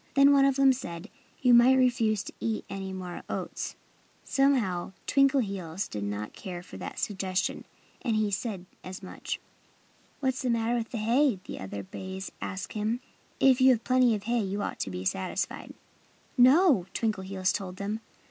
Then one of them said: "You might refuse to eat any more oats." Somehow Twinkleheels did not care for that suggestion; and he said as much. "What's the matter with hay?" the other bay asked him. "If you have plenty of hay you ought to be satisfied." "No!" Twinkleheels told him.